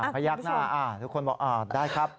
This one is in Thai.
พยักหน้าทุกคนบอกได้ครับ